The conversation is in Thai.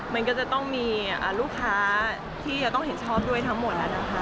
มันก็จะต้องมีลูกค้าที่จะต้องเห็นชอบด้วยทั้งหมดแล้วนะคะ